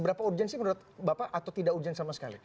apa urgensi menurut bapak atau tidak urgensi sama sekali